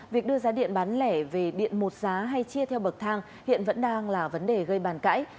việc đưa giá điện bán lẻ về điện một giá hay chia theo bậc thang hiện vẫn đang là vấn đề gây bàn cãi